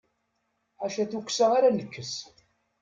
Ḥaca tukksa ara nekkes.